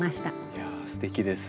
いやあすてきです。